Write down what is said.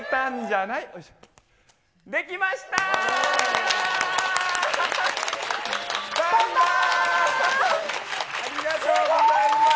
ありがとうございます。